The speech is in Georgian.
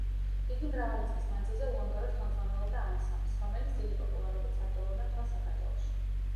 იგი მრავალი წლის მანძილზე უანგაროდ ხელმძღვანელობდა ანსამბლს, რომელიც დიდი პოპულარობით სარგებლობდა მთელ საქართველოში.